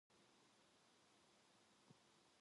알아들어?